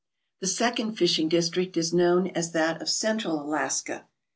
The second fishing district is known as that of Central Alaska.